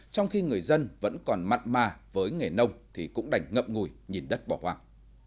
trong khi người dân vẫn còn mặn mà với nghề nông thì cũng đành ngậm ngùi nhìn đất bỏ hoang